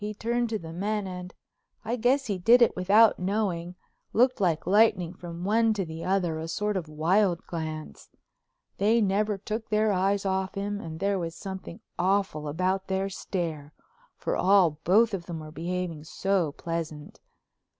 He turned to the men and—I guess he did it without knowing—looked like lightning from one to the other—a sort of wild glance. They never took their eyes off him, and there was something awful about their stare, for all both of them were behaving so pleasant.